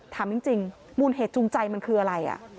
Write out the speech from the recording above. ถามจริงมูลเหตุจูงใจมันคืออะไร